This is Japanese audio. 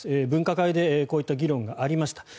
分科会でこういった議論がありました。